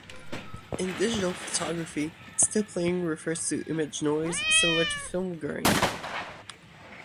In digital photography, stippling refers to image noise similar to film grain.